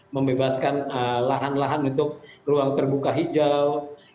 membebaskan lahan lahan untuk ruang terbuka hijau